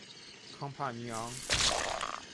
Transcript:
康帕尼昂。